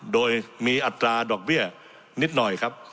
โดยมีอัตราดอกเบี้ยนิดหน่อยครับ